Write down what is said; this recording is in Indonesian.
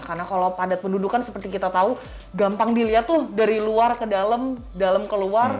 karena kalau padat pendudukan seperti kita tahu gampang dilihat tuh dari luar ke dalam dalam ke luar